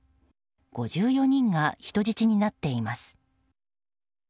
５４人が人質になっています。